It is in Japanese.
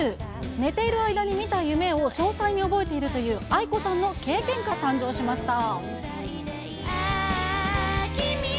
寝ている間に見た夢を詳細に覚えているというａｉｋｏさんの経験から誕生しました。